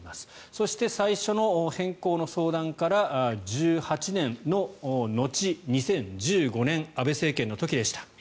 そして最初の変更の相談から１８年の後２０１５年安倍政権の時でした。